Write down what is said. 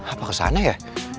apa kesana ya